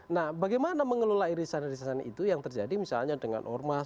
nah bagaimana mengelola irisan irisan itu yang terjadi misalnya dengan ormas